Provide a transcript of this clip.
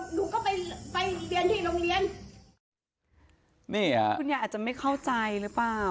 หนูก็ไปไปเรียนที่โรงเรียนนี่ฮะคุณยายอาจจะไม่เข้าใจหรือเปล่า